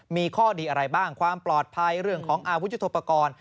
มีข้อดีอะไรบ้างความปลอดภัยเรื่องของอาวุธยุทธโปรกรณ์